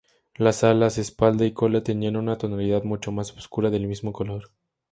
Las alas, espalda y cola tenían una tonalidad mucho más oscura del mismo color.